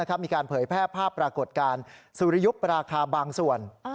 เผยแพร่ภาพปรากฏการณ์สุริยุปราคาบางส่วน